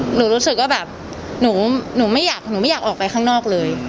หนูรู้สึกว่าหนูไม่อยากออกไปข้างนอกเลย